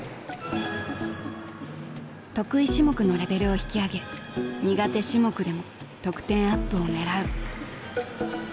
得意種目のレベルを引き上げ苦手種目でも得点アップを狙う。